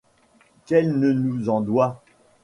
qu’elle ne nous en doit.